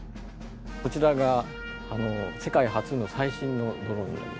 こちらが世界初の最新のドローンになります。